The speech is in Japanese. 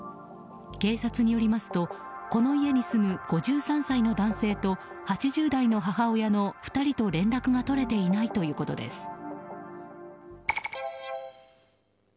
警察によりますとこの家に住む５３歳の男性と８０代の母親の２人と連絡が取れていないということです。